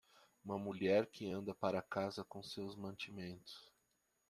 Uma mulher que anda para casa com seus mantimentos.